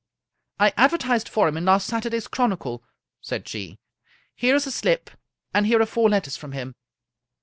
" I advertised for him in last Saturday's Chromcle" said she. " Here is the slip, and here are four letters from him."